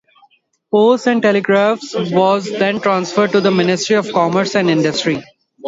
Posts and Telegraphs was then transferred to the Ministry of Commerce and Industry.